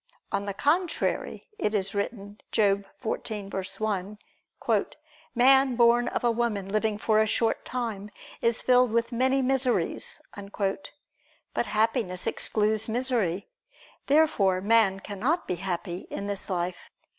On the contrary, It is written (Job 14:1): "Man born of a woman, living for a short time, is filled with many miseries." But Happiness excludes misery. Therefore man cannot be happy in this life.